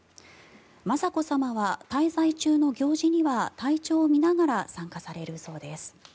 雅子さまは滞在中の行事には体調を見ながら参加されるそうです。